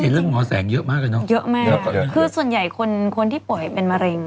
เรื่องหมอแสงเยอะมากเลยเนอะเยอะมากคือส่วนใหญ่คนคนที่ป่วยเป็นมะเร็ง